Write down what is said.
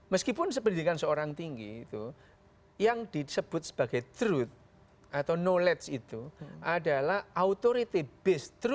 meskipun pendidikan seseorang tinggi itu yang disebut sebagai truth atau knowledge itu adalah authority based truth and authority based knowledge